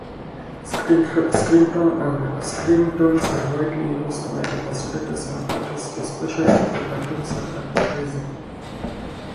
Screentones are widely used by illustrators and artists, especially for cartoons and advertising.